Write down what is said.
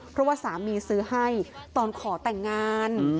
เพราะว่าสามีซื้อให้ตอนขอแต่งงาน